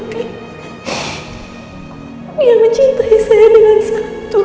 dia mencintai saya dengan sangat turut